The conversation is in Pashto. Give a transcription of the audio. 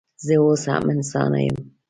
زه اوس هم انسانه یم